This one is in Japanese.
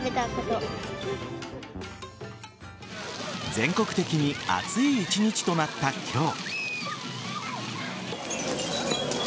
全国的に暑い１日となった今日。